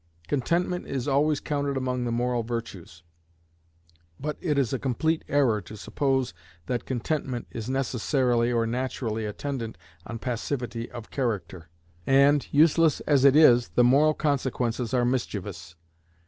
Contentment is always counted among the moral virtues. But it is a complete error to suppose that contentment is necessarily or naturally attendant on passivity of character; and useless it is, the moral consequences are mischievous.